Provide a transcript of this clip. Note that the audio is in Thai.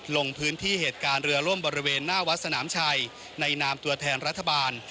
ลงพื้นที่เหตุการณ์เรือล่มบริเวณหน้าวัดสนามชัยในนามตัวแทนรัฐบาล